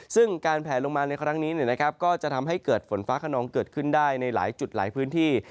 ซึ่งการแผลลงมาในครั้งนี้ก็จะทำให้เกิดฝนฟ้าขนองเกิดขึ้นได้ในหลายจุดหลายพื้นที่